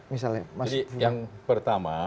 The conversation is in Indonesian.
jadi yang pertama